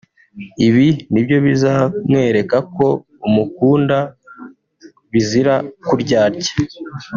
ibi nibyo bizamwereka ko umukunda bizira kuryarya